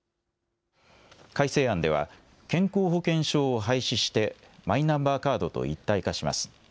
改正案では、健康保険証を廃止して、マイナンバーカードと一体化します。